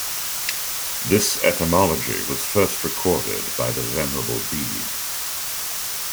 This etymology was first recorded by the Venerable Bede.